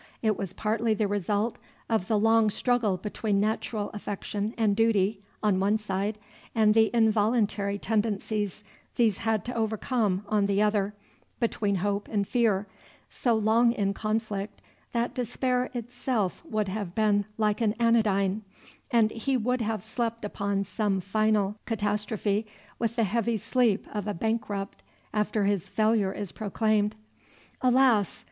It was partly the result of the long struggle between natural affection and duty, on one side, and the involuntary tendencies these had to overcome, on the other, between hope and fear, so long in conflict that despair itself would have been like an anodyne, and he would have slept upon some final catastrophe with the heavy sleep of a bankrupt after his failure is proclaimed. Alas!